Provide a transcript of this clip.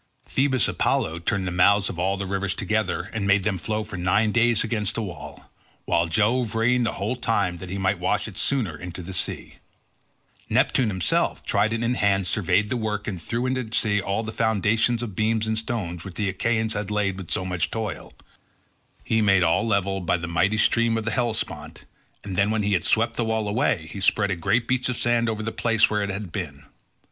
Phoebus Apollo turned the mouths of all these rivers together and made them flow for nine days against the wall, while Jove rained the whole time that he might wash it sooner into the sea. Neptune himself, trident in hand, surveyed the work and threw into the sea all the foundations of beams and stones which the Achaeans had laid with so much toil; he made all level by the mighty stream of the Hellespont, and then when he had swept the wall away he spread a great beach of sand over the place where it had been.